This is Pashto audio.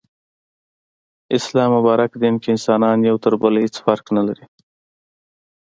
اسلام مبارک دين کي انسانان يو تر بله هيڅ فرق نلري